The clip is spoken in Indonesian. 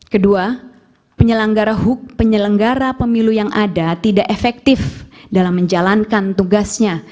kedua penyelenggara pemilu yang ada tidak efektif dalam menjalankan tugasnya